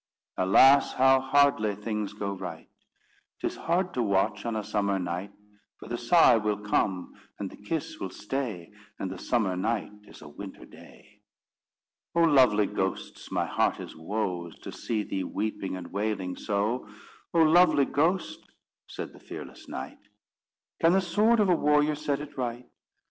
Alas, how hardly things go right! 'Tis hard to watch on a summer night, For the sigh will come and the kiss will stay, And the summer night is a winter day._ "Oh, lovely ghosts my heart is woes To see thee weeping and wailing so. Oh, lovely ghost," said the fearless knight, "Can the sword of a warrior set it right?